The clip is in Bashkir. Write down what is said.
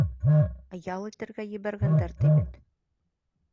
Ял итергә ебәргәндәр ти бит!